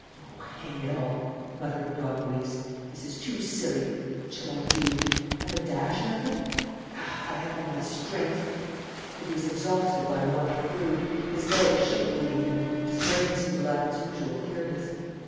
"Oh, hang it all!" muttered Don Luis. "This is too silly. What shall I do? Have a dash at them? Ah, if I had all my strength!" But he was exhausted by want of food. His legs shook beneath him and his brain seemed to lack its usual clearness.